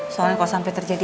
soalnya kalau sampai terjadi